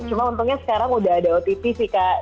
cuma untungnya sekarang udah ada otp sih kak